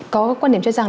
có quan điểm cho rằng